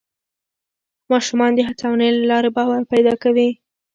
ماشومان د هڅونې له لارې باور پیدا کوي